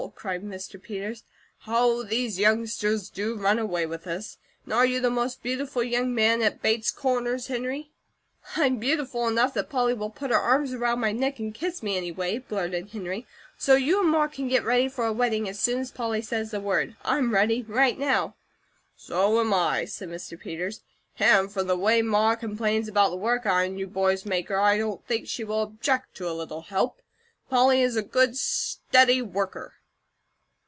cried Mr. Peters. "How these youngsters to run away with us. And are you the most beautiful young man at Bates Corners, Henry?" "I'm beautiful enough that Polly will put her arms around my neck and kiss me, anyway," blurted Henry. "So you and Ma can get ready for a wedding as soon as Polly says the word. I'm ready, right now." "So am I," said Mr. Peters, "and from the way Ma complains about the work I and you boys make her, I don't think she will object to a little help. Polly is a good, steady worker."